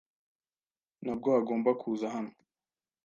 Ntabwo agomba kuza hano.